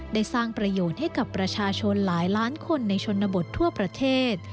ได้สร้างประโยชน์ให้กับประชาชนหลายล้านคนในชนบททั่วประเทศ